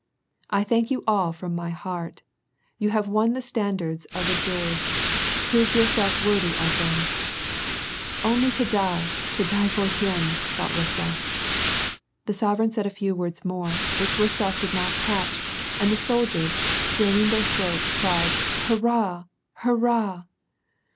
I thank you all from my heart ! You have won the standards of the George, prove yourselves worthy of them !"" Only to die, to die for him !" thought Rostof. The sovereign said a few words more, which Rostof did not catch, and the soldiers, straining their throats, cried Hurrah! hurrah